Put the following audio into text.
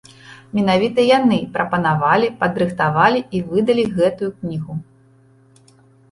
Менавіта яны прапанавалі, падрыхтавалі і выдалі гэтую кнігу.